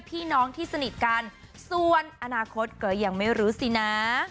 พี่น้องที่สนิทกันส่วนอนาคตก็ยังไม่รู้สินะ